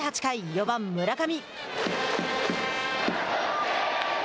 ４番村上。